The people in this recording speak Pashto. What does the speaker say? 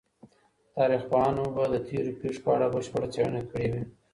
تاريخ پوهانو به د تېرو پېښو په اړه بشپړه څېړنه کړې وي.